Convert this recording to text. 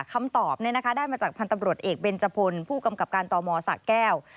คำตอบได้มาจากพันธ์ตำรวจเอกเบนจพลผู้กำกับการตมสะแก้ว